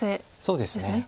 そうですね。